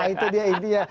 itu dia itu dia